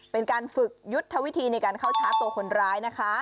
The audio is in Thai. เป็นการฝึกยุทธวิธีในการเข้าชาร์จตัวคนร้ายนะคะ